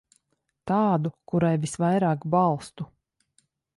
Tādu, kurai visvairāk balstu.